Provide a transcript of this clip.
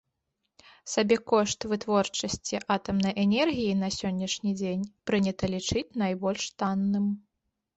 Сабекошт вытворчасці атамнай энергіі на сённяшні дзень прынята лічыць найбольш танным.